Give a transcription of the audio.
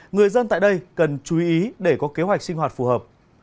người dân tại đây cần chú ý để có kế hoạch sinh hoạt phù hợp